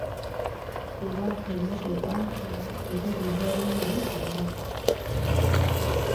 Kuba emmotoka eno etegeeza bingi gye bali.